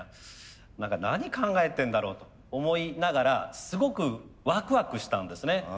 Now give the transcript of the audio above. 何か何考えてんだろうと思いながらすごくワクワクしたんですね。